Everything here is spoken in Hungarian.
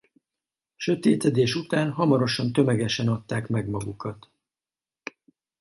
Sötétedés után hamarosan tömegesen adták meg magukat.